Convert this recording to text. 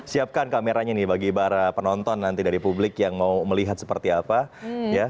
siapkan kameranya nih bagi para penonton nanti dari publik yang mau melihat seperti apa ya